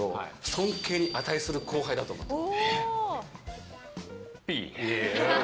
尊敬に値する後輩だと思っている。